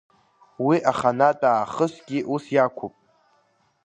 Уи аханатә аахысгьы ус иақәуп.